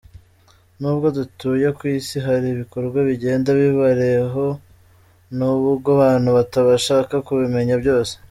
Nubwo dutuye ku isi hari ibikorwa bigenda biberaho nubwo abantu batabashaka kubimenya byose .